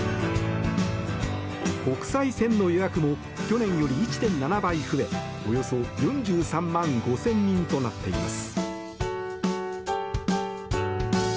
国際線の予約も去年より１．７倍増えおよそ４３万５０００人となっています。